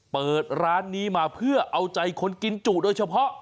เปิดร้านนี้มาเพื่อเอาใจคนกินจุโดยเฉพาะ